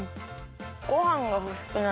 ごはんがほしくなる。